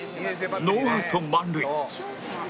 ノーアウト満塁